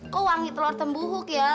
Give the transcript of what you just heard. kok wangi telur tembuuk ya